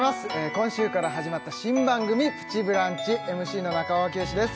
今週から始まった新番組「プチブランチ」ＭＣの中尾明慶です